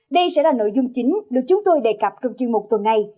đây sẽ là nội dung chính được chúng tôi đề cập trong chuyên mục tuần này